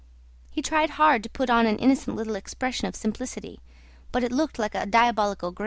He tried hard to put on an innocent little expression of simplicity; but it looked like a diabolical grin.